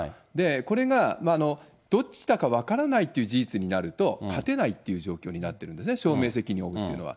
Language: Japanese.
これが、どっちだか分からないっていう事実になると、勝てないっていう状況になってるんですね、証明責任を負うっていうのは。